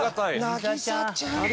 凪咲ちゃんか！」